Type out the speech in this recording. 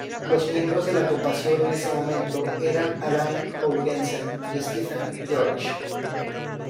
Los miembros de la agrupación en ese momento eran Alain Jourgensen y Stephen George.